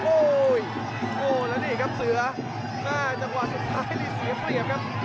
โหแล้วนี่ครับเสือน่าจะกว่าสุดท้ายหรือเสียเปรียบครับ